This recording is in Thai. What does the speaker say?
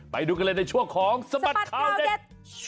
ไปดูกันเลยในช่วงของสบัดข่าวเด็ด